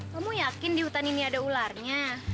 kamu yakin di hutan ini ada ularnya